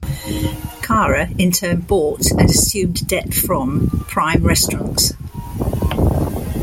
Cara in turn bought, and assumed debt from Prime Restaurants.